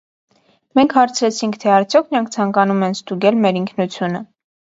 Մենք հարցրեցինք, թե արդյոք նրանք ցանկանում են ստուգել մեր ինքնությունը։